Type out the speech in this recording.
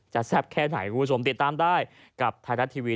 แซ่บแค่ไหนคุณผู้ชมติดตามได้กับไทยรัฐทีวี